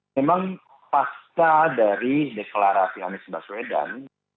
memang pasca dari deklarasi anies baswedan